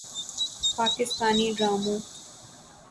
پاکستانی ڈراموں